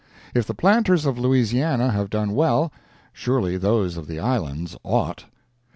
If the planters of Louisiana have done well, surely those of the Islands ought.